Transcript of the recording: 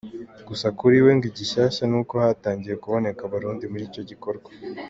Gusa kuri we ngo igishyashya ni uko hatangiye kuboneka Abarundi muri icyo gikorwa.